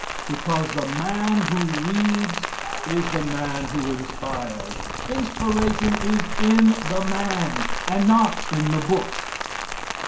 Because the man who reads is the man who inspires. Inspiration is in the man and not in the book.